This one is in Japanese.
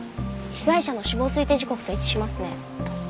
被害者の死亡推定時刻と一致しますね。